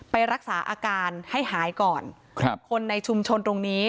ไปรักษาอาการให้หายก่อนครับคนในชุมชนตรงนี้